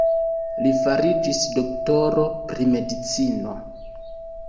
Li fariĝis doktoro pri medicino.